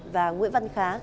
và nguyễn văn khá